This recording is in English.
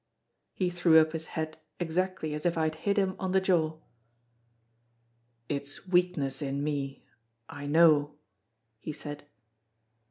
He threw up his head exactly as if I had hit him on the jaw: "It's weakness in me, I know," he said.